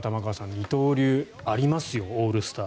二刀流、ありますよオールスター。